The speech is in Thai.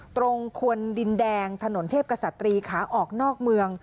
ควนดินแดงถนนเทพกษัตรีขาออกนอกเมือง